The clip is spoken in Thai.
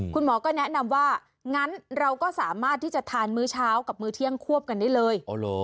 คุณหมอก็แนะนำว่างั้นเราก็สามารถที่จะทานมื้อเช้ากับมื้อเที่ยงควบกันได้เลย